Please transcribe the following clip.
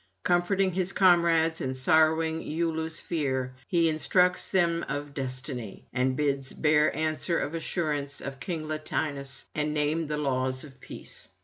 Comforting his comrades and sorrowing Iülus' fear, he instructs them of destiny, and bids bear answer of assurance to King Latinus, and name the laws of peace.